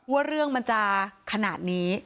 ว่าเรื่องมันจะขนาดนี้